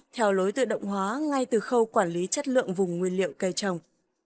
theo lối tự động hóa ngay từ khâu quản lý chất lượng vùng nguyên liệu cây trồng